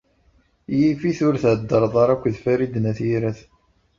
Yif-it ur theddṛeḍ ara akked Farid n At Yiraten.